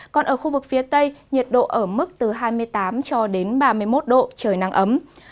còn ở khu vực phía tây nhiệt độ ở mức từ hai mươi tám cho đến ba mươi một độ trời nắng ấm